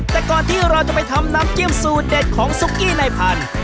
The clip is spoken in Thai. แต่ก่อนที่เราจะไปทำน้ำจิ้มสูตรเด็ดของซุกกี้ในพันธุ์